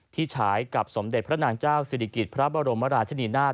ฉายกับสมเด็จพระนางเจ้าศิริกิจพระบรมราชนีนาฏ